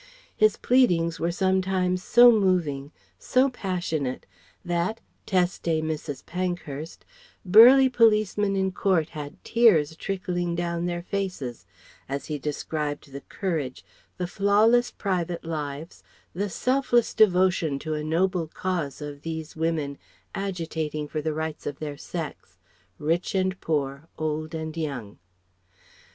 His pleadings were sometimes so moving, so passionate that teste Mrs. Pankhurst "burly policemen in court had tears trickling down their faces" as he described the courage, the flawless private lives, the selfless devotion to a noble cause of these women agitating for the rights of their sex rich and poor, old and young.